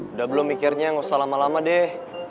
udah belum mikirnya gak usah lama lama deh